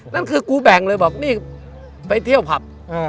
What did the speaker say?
นั่นคือกูแบ่งเลยบอกนี่ไปเที่ยวผับ